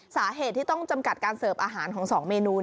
สาเหตุที่ต้องจำกัดการเสิร์ฟอาหารของ๒เมนู